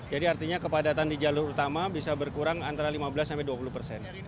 jadi artinya kepadatan di jalur utama bisa berkurang antara lima belas dua puluh persen